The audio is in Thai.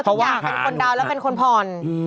อยากเป็นคนดาวน์แล้วเป็นคนผ่อน